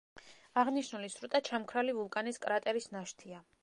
აღნიშნული სრუტე ჩამქრალი ვულკანის კრატერის ნაშთია.